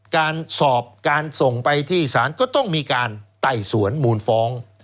การสอบการส่งไปที่ศาลก็ต้องมีการไต่สวนมูลฟ้อง